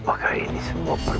warang kaki pun buka siah